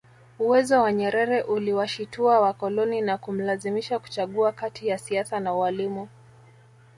Uwezo wa Nyerere uliwashitua wakoloni na kumlazimisha kuchagua kati ya siasa na ualimu